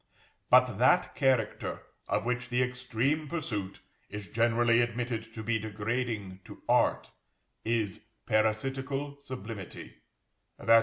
But that character, of which the extreme pursuit is generally admitted to be degrading to art, is parasitical sublimity; _i.